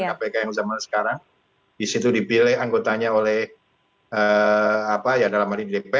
kpk yang zaman sekarang disitu dipilih anggotanya oleh apa ya dalam hal ini dpr